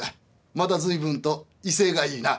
また随分と威勢がいいな」。